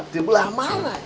dari belah mana ya